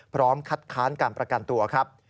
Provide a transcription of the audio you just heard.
พร้อมคัดค้านการประกันตัวครับ